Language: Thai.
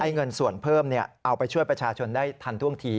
เงินส่วนเพิ่มเอาไปช่วยประชาชนได้ทันท่วงที